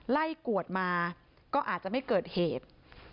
กวดมาก็อาจจะไม่เกิดเหตุ